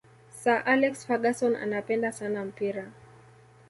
sir alex ferguson anapenda sana mpira